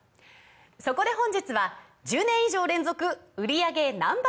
そこで本日は１０年以上連続売り上げＮｏ．１